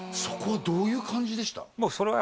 そこはどういう感じでした？